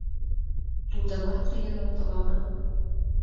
Лудымат лӱен отыл аман?